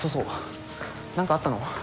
何かあったの？